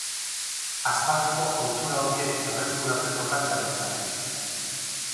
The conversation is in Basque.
Aspaldiko ohitura horiek berreskuratzekotan gabiltza.